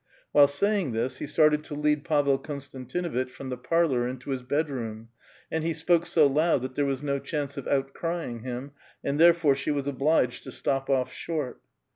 While saying this, he started to lead Pavel Konstantinuitch from the parlor into his bed room ; and he spoke so loud that there was no chance of out crying him, and therefore she was obliged to stop off short.